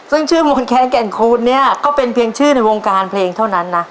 ซึ่งชื่อมนแคนแก่นคูณเนี่ยก็เป็นเพียงชื่อในวงการเพลงเท่านั้นนะ